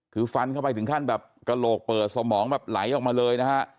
คือฟันเข้าไปถึงขั้นแบบกระโหลกเปิดสมองแบบไหลออกมาเลยนะฮะ